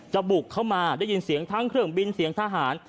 บุกเข้ามาได้ยินเสียงทั้งเครื่องบินเสียงทหาร